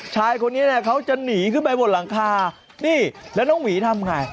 ชายคนนี้เนี่ยเขาจะหนีขึ้นไปบนหลังคานี่แล้วน้องหวีทำไง